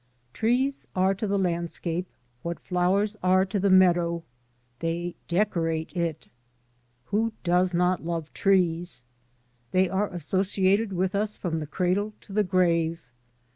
TREES are to the landscape what flowers are to the meadow, they decorate it. Who does not love trees? They are associated with us from the cradle to the grave.